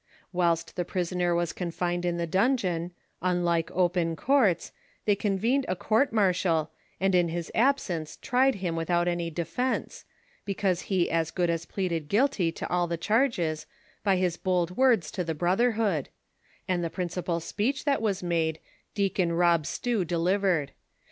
Wliilst the prisoner was confined in the dungeon, unlike open courts, they convened a court mar tial, and in his absence tried him without any defence, because he as good as pleaded guilty to all the charges, by his bold words to the brotherhood ; and the principal speech that was made Deacon Rob Stew delivered.